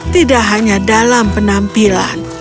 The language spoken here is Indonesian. tidak hanya dalam penampilan